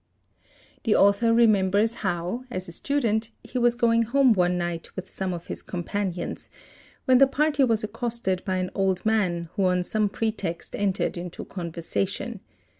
_ The author remembers how, as a student, he was going home one night with some of his companions, when the party was accosted by an old man who on some pretext entered into conversation.